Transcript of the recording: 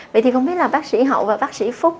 vậy thì không biết là bác sĩ hậu và bác sĩ phúc